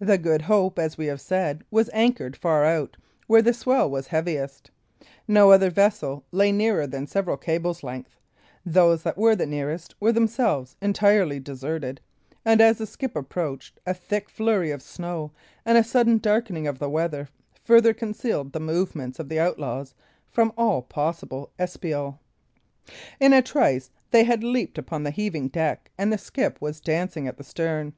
The Good Hope, as we have said, was anchored far out, where the swell was heaviest. No other vessel lay nearer than several cables' length; those that were the nearest were themselves entirely deserted; and as the skiff approached, a thick flurry of snow and a sudden darkening of the weather further concealed the movements of the outlaws from all possible espial. In a trice they had leaped upon the heaving deck, and the skiff was dancing at the stern.